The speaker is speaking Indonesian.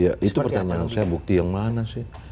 ya itu pertanyaan saya bukti yang mana sih